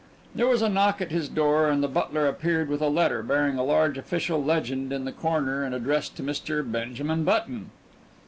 There was a knock at his door, and the butler appeared with a letter bearing a large official legend in the corner and addressed to Mr. Benjamin Button.